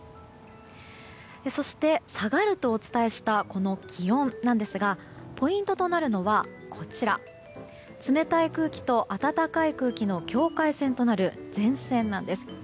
そして、下がるとお伝えした気温なんですがポイントとなるのは冷たい空気と暖かい空気の境界線となる前線なんです。